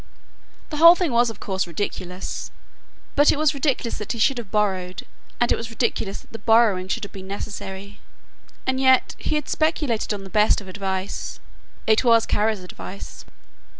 The whole thing was of course ridiculous, but it was ridiculous that he should have borrowed, and it was ridiculous that the borrowing should have been necessary, and yet he had speculated on the best of advice it was Kara's advice.